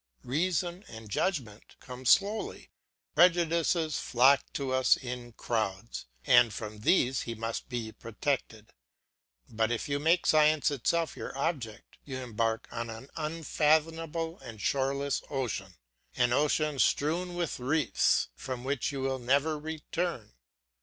Reason and judgment come slowly, prejudices flock to us in crowds, and from these he must be protected. But if you make science itself your object, you embark on an unfathomable and shoreless ocean, an ocean strewn with reefs from which you will never return.